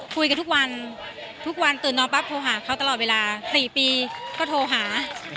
คุยกันทุกวันทุกวันตื่นนอนปั๊บโทรหาเขาตลอดเวลา๔ปีก็โทรหา